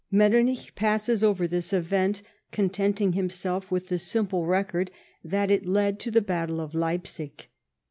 Metternich passes over this event, contenting himself with the simple record that it led to the battle of Leipsig.